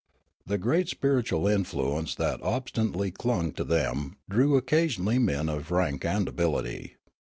The great spir itual influence that obstinately clung to them drew occasionally men of rank and ability.